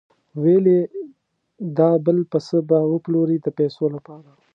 ویل یې دا بل پسه به وپلوري د پیسو لپاره.